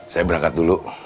saya berangkat dulu